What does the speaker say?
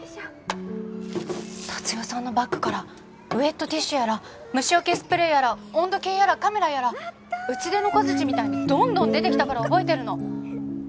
達代さんのバッグからウェットティッシュやら虫よけスプレーやら温度計やらカメラやら打ち出の小づちみたいにどんどん出てきたから覚えてるの。